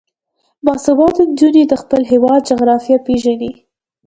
باسواده نجونې د خپل هیواد جغرافیه پیژني.